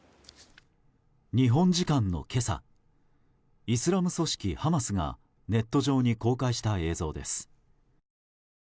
日本時間の今朝イスラム組織ハマスがネット上に公開した映像です。